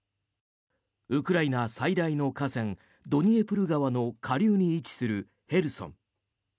ウクライナ最大の河川ドニエプル川の下流に位置するヘルソン。